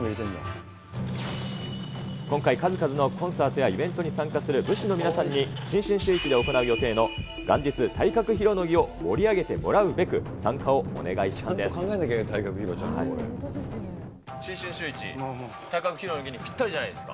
今回、数々のコンサートやイベントに参加する武志の皆さんに、新春シューイチで行う予定の元日体格披露の儀を盛り上げてもらうべく、参加をお願いしたんです。